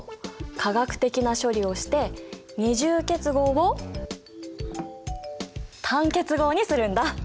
化学的な処理をして二重結合を単結合にするんだ。